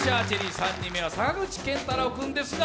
３人目は坂口健太郎君です。